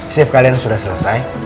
shift kalian sudah selesai